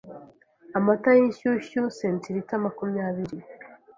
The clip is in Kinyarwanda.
amata y’inshyushyu cl makumyabiri